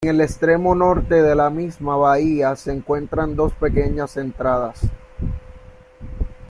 En el extremo norte de la misma bahía se encuentran dos pequeñas entradas.